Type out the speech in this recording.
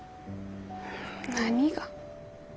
何が。